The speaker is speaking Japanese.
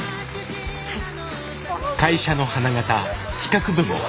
はい。